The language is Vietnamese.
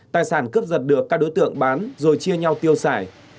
tài sản cướp giật được các đối tượng bán rồi chia nhau tiêu xài